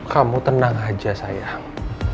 kamu tenang aja sayang